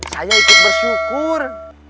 saya ikut bersyukur